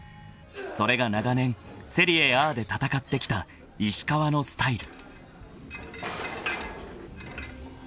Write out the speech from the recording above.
［それが長年セリエＡで戦ってきた石川のスタイル］